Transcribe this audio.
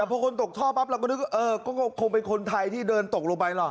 พอคนตกท่อปั๊บเราก็นึกว่าเออก็คงเป็นคนไทยที่เดินตกลงไปหรอก